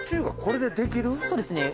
そうですね。